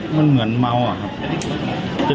มันเหมือนเงาหรอครับ